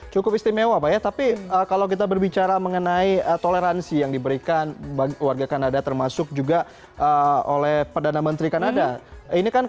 cukup istimewa pak ya tapi kalau kita berbicara mengenai toleransi yang diberikan warga kanada termasuk juga oleh perdana menteri kanada